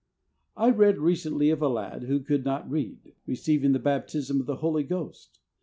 I read recently of a lad, who could not read, receiving the baptism of the Holy Ghost.